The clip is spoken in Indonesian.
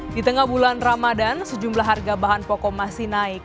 di tengah bulan ramadan sejumlah harga bahan pokok masih naik